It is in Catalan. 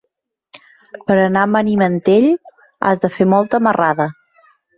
Per anar a Benimantell has de fer molta marrada.